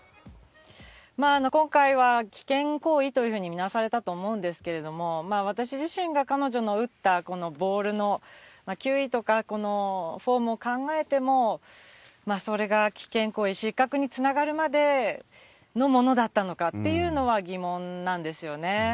今回は危険行為というふうに見なされたと思うんですけれども、私自身が彼女の打ったボールの球威とか、フォームを考えても、それが危険行為、失格につながるまでのものだったのかっていうのは、疑問なんですよね。